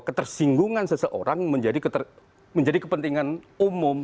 ketersinggungan seseorang menjadi kepentingan umum